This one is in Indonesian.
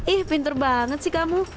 ih pinter banget sih kamu